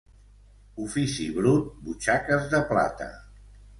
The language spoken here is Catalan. Ofici brut, butxaques de plata.